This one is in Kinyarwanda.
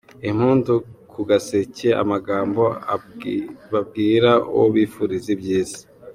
Impundu ku gaseke: Amagambo babwira uwo bifuriza ibyiza.